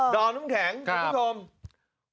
ดแข็งจริงคุณผู้ชม